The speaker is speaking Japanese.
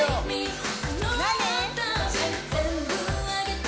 何。